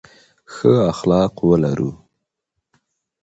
ښه اخلاق ولرو.